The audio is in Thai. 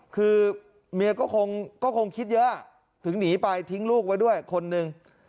คือเมียก็คงคิดเยอะถึงหนีไปทิ้งลูกไว้ด้วยคนหนึ่ง